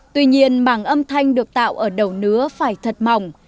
tuy nhiên màng âm thanh được tạo ở đầu nứa phải thật mỏng